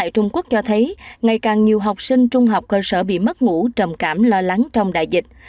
trung quốc cho thấy ngày càng nhiều học sinh trung học cơ sở bị mất ngủ trầm cảm lo lắng trong đại dịch